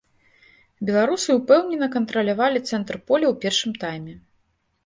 Беларусы ўпэўнена кантралявалі цэнтр поля ў першым тайме.